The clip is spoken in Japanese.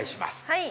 はい。